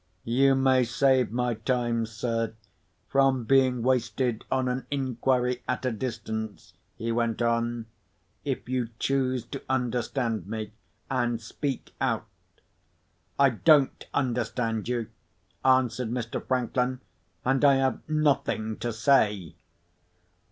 "You may save my time, sir, from being wasted on an inquiry at a distance," he went on, "if you choose to understand me and speak out." "I don't understand you," answered Mr. Franklin; "and I have nothing to say."